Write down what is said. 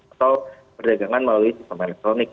atau perdagangan melalui sistem elektronik